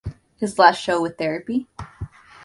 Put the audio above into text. His last show with Therapy?